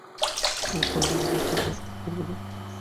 কলেজের মধ্যে short skirt পরবে না প্লিজ।